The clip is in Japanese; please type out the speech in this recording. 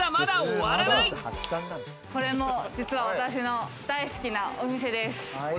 これも実は私の大好きなお店です。